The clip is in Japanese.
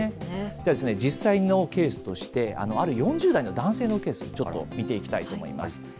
では実際のケースとして、ある４０代の男性のケース、ちょっと見ていきたいと思います。